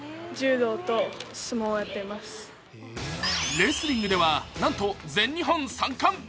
レスリングではなんと全日本３冠。